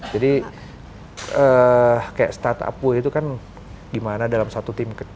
jadi kayak startup itu kan gimana dalam satu tim